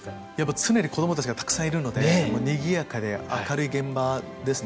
常に子どもたちがたくさんいるのでにぎやかで明るい現場ですね。